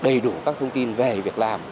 đầy đủ các thông tin về việc làm